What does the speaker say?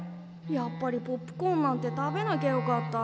やっぱりポップコーンなんて食べなきゃよかった。